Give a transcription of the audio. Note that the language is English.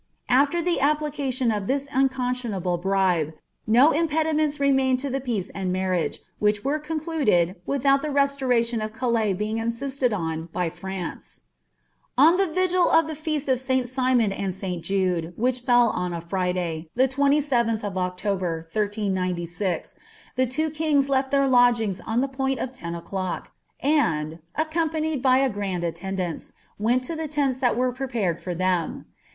After the piplimlion of this unconscionable bribe, no impediment remained to i).c peace and marriage, which wei'e concluded, without the restoration ■ i^ CaLiis being insisied on by France. ["■ On the vigil of the feast of St. Simon and St. Jude, which fell on tf ' rridnr,' the 2Tlh of October, 1396, llie two kings led their lodging on ihr point of ten o'clock, and, accompanied by a grand attendance, went In the tents thai had been prepared for them.